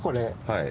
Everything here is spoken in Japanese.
はい。